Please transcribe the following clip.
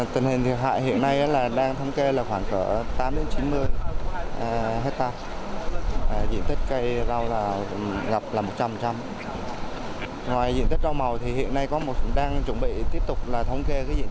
tình hình thiệt hại hiện nay đang thống kê là khoảng cỡ